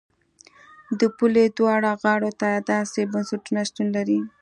د پولې دواړو غاړو ته داسې بنسټونه شتون لري.